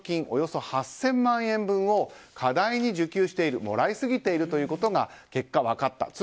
およそ８０００万円分を過大に受給しているもらい過ぎているということが結果、分かった。